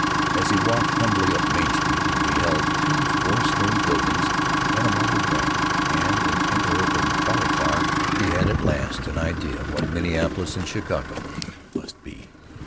As he walked humbly up Main Street and beheld two four story buildings and a marble bank and an interurban trolley car, he had, at last, an idea of what Minneapolis and Chicago must be.